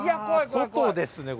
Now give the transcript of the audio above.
外ですね